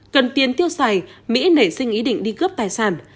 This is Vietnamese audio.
cần tiền tiêu xài mỹ nảy sinh ý định đi cướp tài sản